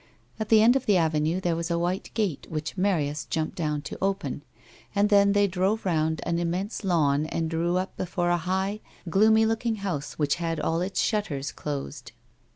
At the end of the avemie there was a white gate which Marius jumped down to open, and then they drove round an im mense lawn and drew up before a high, gloomy looking house which had all its shutters closed.